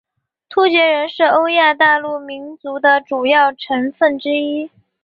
突厥人是欧亚大陆民族的主要成份之一。